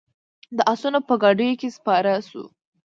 د آسونو په ګاډیو کې سپاره شوو.